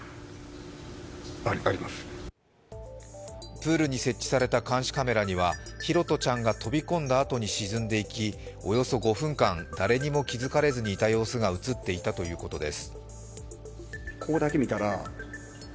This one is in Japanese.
プールに設置された監視カメラには拓杜ちゃんが飛び込んだあとに沈んでいきおよそ５分間、誰にも気づかれずにいた様子が映っていたということです。